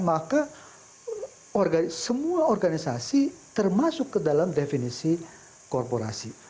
maka semua organisasi termasuk ke dalam definisi korporasi